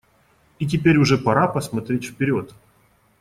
И теперь уже пора посмотреть вперед.